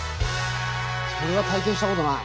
そんな体験したことない。